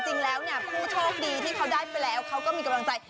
จริงแล้วเนี่ยผู้โชคดีที่เขาได้ไปแล้วเขาก็มีกำลังใจ